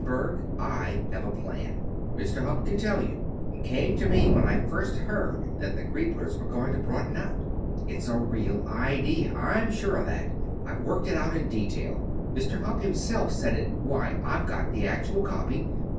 Berg I have a plan. Mr. Hupp can tell you. It came to me when I first heard that the Grieblers were going to broaden out. It's a real idea. I'm sure of that. I've worked it out in detail. Mr. Hupp himself said it Why, I've got the actual copy.